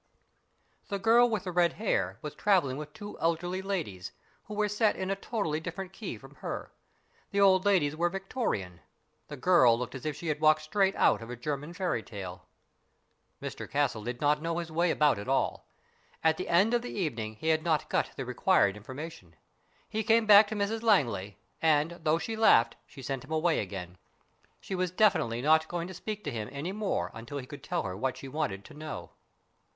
The girl with the red hair was travelling with two elderly ladies, who were set in a totally differ ent key from her. The old ladies were Victorian. BURDON'S TOMB 71 The girl looked as if she had walked straight out of a German fairy tale. Mr Castle did not know his way about at all. At the end of the evening he had not got the required information. He came back to Mrs Langley, and, though she laughed, she sent him away again. She was definitely not going to speak to him any more until he could tell her what she wanted to know.